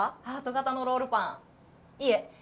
ハート形のロールパンいえ